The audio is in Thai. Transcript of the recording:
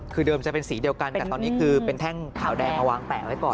คือเดิมจะเป็นสีเดียวกันแต่ตอนนี้คือเป็นแท่งขาวแดงมาวางแปะไว้ก่อน